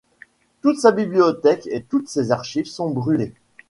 Toute sa bibliothèque et toutes ses archives sont brûlées.